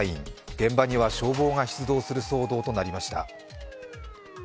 現場には消防が出動する騒動となりました。